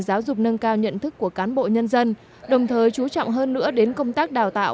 giáo dục nâng cao nhận thức của cán bộ nhân dân đồng thời chú trọng hơn nữa đến công tác đào tạo